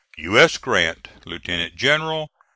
"U. S. GRANT, Lieutenant General.